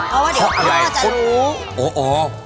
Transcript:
เพราะว่าเด็กพ่อจะรู้